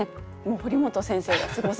堀本先生がすごすぎて。